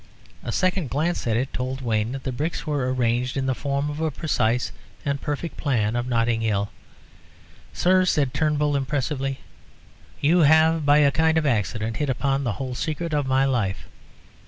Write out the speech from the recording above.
A second glance at it told Wayne that the bricks were arranged in the form of a precise and perfect plan of Notting Hill. "Sir," said Turnbull, impressively, "you have, by a kind of accident, hit upon the whole secret of my life.